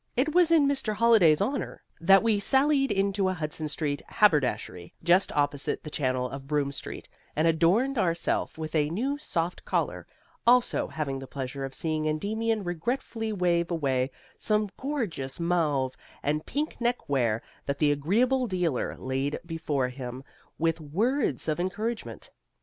It was in Mr. Holliday's honour that we sallied into a Hudson Street haberdashery, just opposite the channel of Broome Street, and adorned ourself with a new soft collar, also having the pleasure of seeing Endymion regretfully wave away some gorgeous mauve and pink neckwear that the agreeable dealer laid before him with words of encouragement.